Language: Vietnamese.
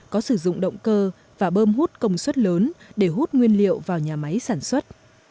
có sử dụng động cơ và bơm hút công suất lớn để hút nguyên liệu vào nhà máy sản xuất